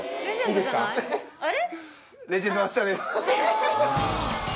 あれ？